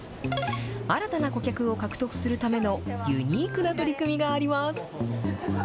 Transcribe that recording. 新たな顧客を獲得するためのユニークな取り組みがあります。